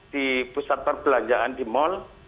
di pusat perbelanjaan di mal